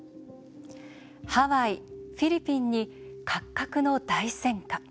「ハワイ・フィリピンにかっかくの大戦果」。